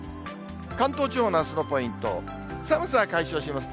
関東地方のあすのポイント、寒さは解消します。